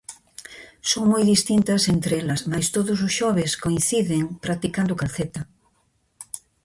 Son moi distintas entre elas, mais todos os xoves coinciden practicando calceta.